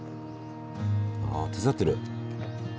ああ手伝ってる。